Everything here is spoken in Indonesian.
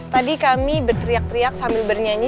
tadi kami berteriak teriak sambil bernyanyi